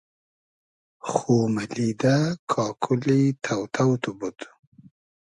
خو مئلیدۂ کاکولی تۆ تۆ تو بود